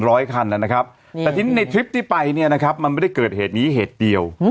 คันนะครับแต่ทีนี้ในทริปที่ไปเนี่ยนะครับมันไม่ได้เกิดเหตุนี้เหตุเดียว